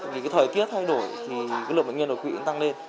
vì thời tiết thay đổi lượng bệnh nhân đột quỵ cũng tăng lên